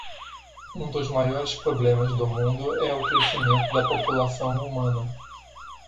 Um dos maiores problemas do mundo é o crescimento da população humana.